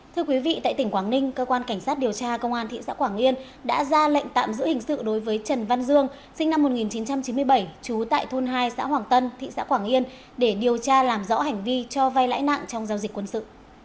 thưa quý vị tại tỉnh quảng ninh cơ quan cảnh sát điều tra công an thị xã quảng yên đã ra lệnh tạm giữ hình sự đối với trần văn dương sinh năm một nghìn chín trăm chín mươi bảy trú tại thôn hai xã hoàng tân thị xã quảng yên để điều tra làm rõ hành vi cho vay lãi nặng trong giao dịch quân sự